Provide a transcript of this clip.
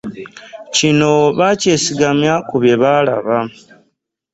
Kino baakyesigamya ku bye baalaba